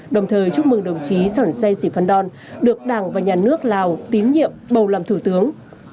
đồng thời chúc mừng đồng chí sỏn say sì phan đòn được đảng và nhà nước lào tín nhiệm bầu làm thủ tướng